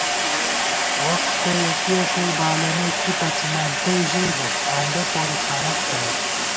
وختہ یَکِیَہ ݭَئ بالَمېت کی پَڅِمان تئ ژَئیبہ، آندہ پوری خانَک تھنَئیت